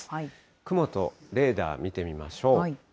雲とレーダー見てみましょう。